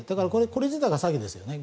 これ自体が詐欺ですよね。